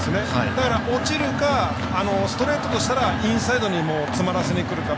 だから落ちるかストレートとしたらインサイドに詰まらせにくるか。